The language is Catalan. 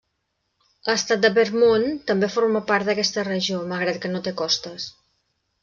L'estat de Vermont també forma part d'aquesta regió, malgrat que no té costes.